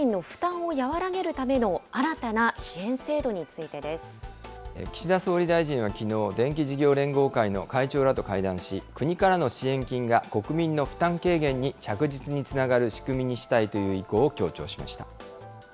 電気料金の負担を和らげるための岸田総理大臣はきのう、電気事業連合会の会長らと会談し、国からの支援金が国民の負担軽減に着実につながる仕組みにしたいという意向を強調しました。